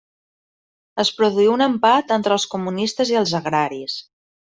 Es produí un empat entre els comunistes i els agraris.